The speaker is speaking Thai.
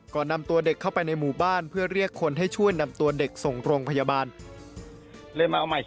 ก่อนนำตัวเด็กเข้าไปในหมู่บ้านเพื่อเรียกคนให้ช่วยนำตัวเด็กส่งโรงพยาบาลเลยมาเอาใหม่